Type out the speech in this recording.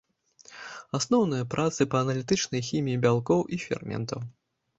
Асноўныя працы па аналітычнай хіміі бялкоў і ферментаў.